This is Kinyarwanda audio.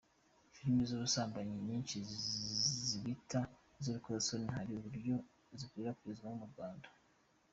Filime z’ubusambanyi benshi bita iz’urukozasoni hari uburyo zikwirakwizwamo mu Rwanda.